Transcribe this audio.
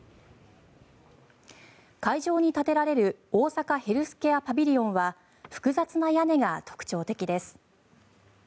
会場に建てられる大阪ヘルスケアパビリオンは複雑な屋根が特徴的です。